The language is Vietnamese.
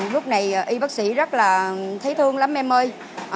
lúc này y bác sĩ rất là thấy thương lắm em mơ